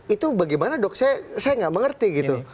itu bagaimana dok saya nggak mengerti gitu